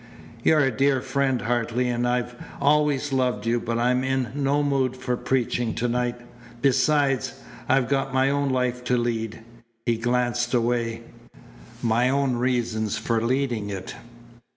"You're a dear friend, Hartley, and I've always loved you, but I'm in no mood for preaching tonight. Besides, I've got my own life to lead" he glanced away "my own reasons for leading it."